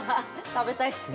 食べたいっすね。